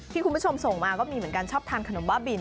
คุณผู้ชมส่งมาก็มีเหมือนกันชอบทานขนมบ้าบิน